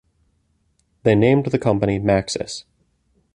They named the company Maxis.